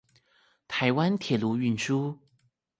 台灣鐵路運輸